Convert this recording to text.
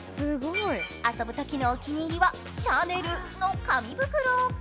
遊ぶときのお気に入りはシャネルの紙袋。